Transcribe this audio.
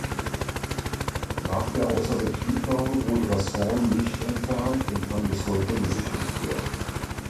Nach der Außerbetriebnahme wurde das Horn nicht entfernt und kann bis heute besichtigt werden.